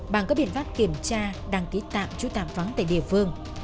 bằng các biện pháp kiểm tra đăng ký tạm trú tạm vắng tại địa phương